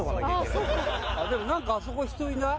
でも何かあそこ人いない？